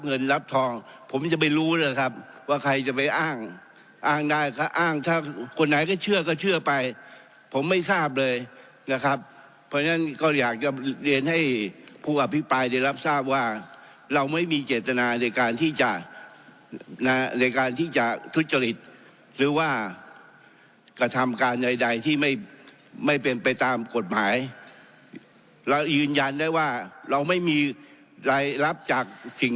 เงินรับทองผมจะไปรู้นะครับว่าใครจะไปอ้างอ้างได้ก็อ้างถ้าคนไหนก็เชื่อก็เชื่อไปผมไม่ทราบเลยนะครับเพราะฉะนั้นก็อยากจะเรียนให้ผู้อภิปรายได้รับทราบว่าเราไม่มีเจตนาในการที่จะทุจริตหรือว่ากระทำการใดใดที่ไม่ไม่เป็นไปตามกฎหมายเรายืนยันได้ว่าเราไม่มีรายรับจากสิ่ง